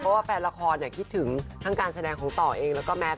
เพราะว่าแฟนละครคิดถึงทั้งการแสดงของต่อเองแล้วก็แมท